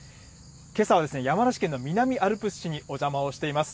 けさは山梨県の南アルプス市にお邪魔をしています。